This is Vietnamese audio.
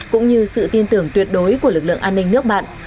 cũng như sự tin tưởng tuyệt đối của lực lượng an ninh nước bạn